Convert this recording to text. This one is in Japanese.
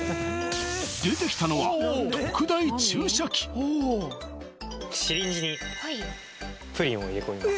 出てきたのは特大注射器シリンジにプリンを入れ込みます